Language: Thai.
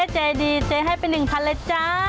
เจดีเจ๊ให้ไป๑๐๐เลยจ้า